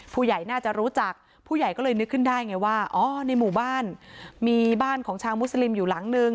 ผู้ใหญ่น่าจะรู้จักผู้ใหญ่ก็เลยนึกขึ้นได้ไงว่าอ๋อในหมู่บ้านมีบ้านของชาวมุสลิมอยู่หลังนึง